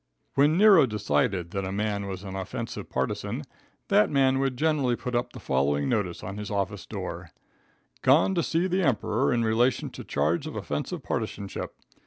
When Nero decided that a man was an offensive partisan, that man would generally put up the following notice on his office door: "Gone to see the Emperor in relation to charge of offensive partisanship.